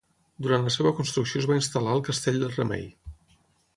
Durant la seva construcció es va instal·lar al Castell del Remei.